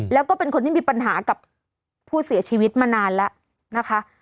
แล้วก็เป็นคนที่มีปัญหากับผู้เสียชีวิตมานานแล้วนะคะ